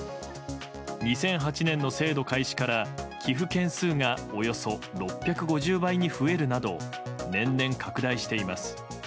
２００８年の制度開始から寄付件数がおよそ６５０倍に増えるなど年々拡大しています。